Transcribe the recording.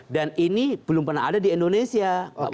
dan ini belum pernah ada di indonesia